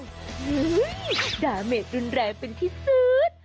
ซึ่งดาเมฆรุนแรมเป็นที่สุด